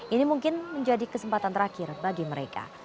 ini mungkin menjadi kesempatan terakhir bagi mereka